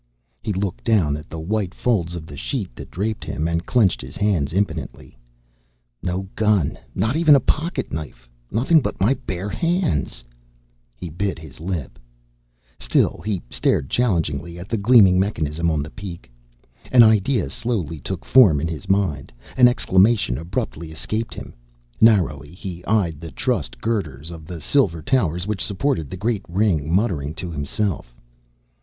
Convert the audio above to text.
He looked down at the white folds of the sheet that draped him, and clenched his hands impotently. "No gun! Not even a pocket knife. Nothing but my bare hands!" He bit his lip. Still he stared challengingly at the gleaming mechanism on the peak. An idea slowly took form in his mind; an exclamation abruptly escaped him. Narrowly he eyed the trussed girders of the silver towers which supported the great ring, muttering to himself.